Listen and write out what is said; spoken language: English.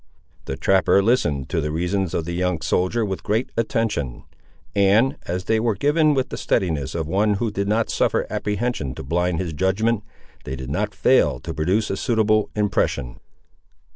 The trapper listened to the reasons of the young soldier with great attention; and, as they were given with the steadiness of one who did not suffer apprehension to blind his judgment, they did not fail to produce a suitable impression.